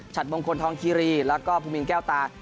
มงคลทองคีรีแล้วก็ภูมินแก้วตา